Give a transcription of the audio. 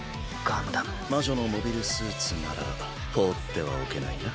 魔女のモビルスーツなら放ってはおけないな。